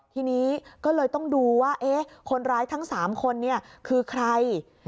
ทีนี้ก็เลยต้องดูว่าคนร้ายทั้ง๓คนคือใคร